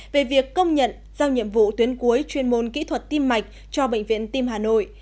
về việc công nhận giao nhiệm vụ tuyến cuối chuyên môn kỹ thuật tim mạch cho bệnh viện tim hà nội